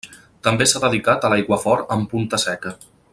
També s'ha dedicat a l'aiguafort amb punta seca.